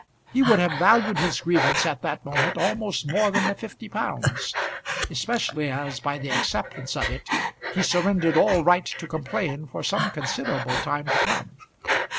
He would have valued his grievance at that moment almost more than the fifty pounds, especially as by the acceptance of it he surrendered all right to complain for some considerable time to come.